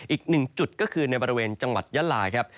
อีก๑จุดก็คือในบริเวณจังหวัดยะหลายครับ